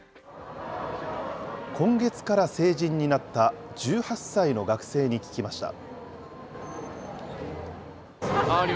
今月から成人になった１８歳の学生に聞きました。